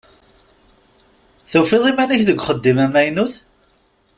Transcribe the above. Tufiḍ iman-ik deg uxeddim amaynut?